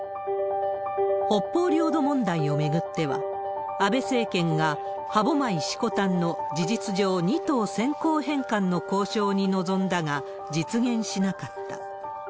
北方領土問題を巡っては、安倍政権が、歯舞、色丹の事実上、２島先行返還の交渉に臨んだが、実現しなかった。